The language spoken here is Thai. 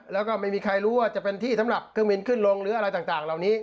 แล้วก็ไม่มีใครรู้ว่าจะเป็นที่สำหรับเครื่องบินขึ้นลงหรืออะไรต่างเหล่านี้